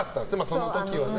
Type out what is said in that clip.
その時はね。